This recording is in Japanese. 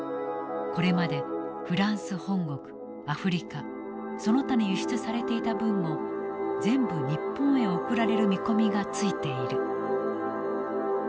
これまでフランス本国アフリカその他に輸出されていた分も全部日本へ送られる見込みがついている」。